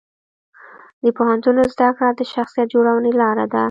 د پوهنتون زده کړه د شخصیت جوړونې لار ده.